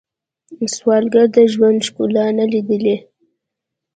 سوالګر د ژوند ښکلا نه لیدلې